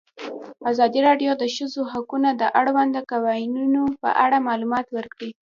ازادي راډیو د د ښځو حقونه د اړونده قوانینو په اړه معلومات ورکړي.